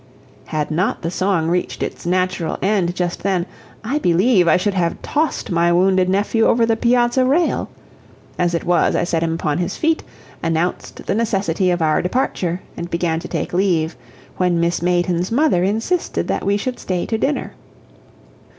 Had not the song reached its natural end just then, I believe I should have tossed my wounded nephew over the piazza rail. As it was, I set him upon his feet, announced the necessity of our departure, and began to take leave, when Miss Mayton's mother insisted that we should stay to dinner.